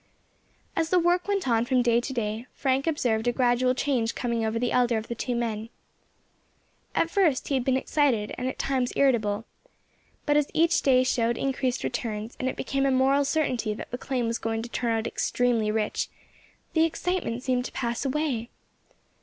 As the work went on from day to day, Frank observed a gradual change coming over the elder of the two men. At first he had been excited, and at times irritable; but as each day showed increased returns, and it became a moral certainty that the claim was going to turn out extremely rich, the excitement seemed to pass away.